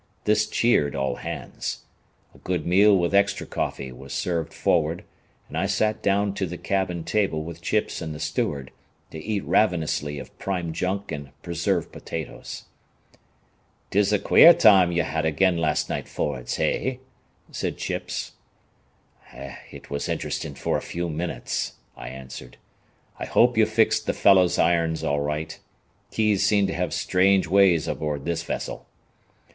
This cheered all hands. A good meal with extra coffee was served forward, and I sat down to the cabin table with Chips and the steward, to eat ravenously of prime junk and preserved potatoes. "'Tis a quare time ye had ag'in last night, forrads, hey?" said Chips. "It was interesting for a few minutes," I answered. "I hope you fixed the fellow's irons all right. Keys seem to have strange ways aboard this vessel."